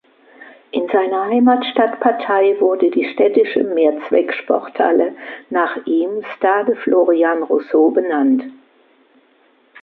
In seiner Heimatstadt Patay wurde die städtische Mehrzwecksporthalle nach ihm "Stade Florian Rousseau" benannt.